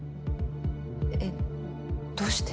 えっどうして？